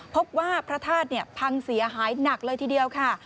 พระธาตุพังเสียหายหนักเลยทีเดียวค่ะ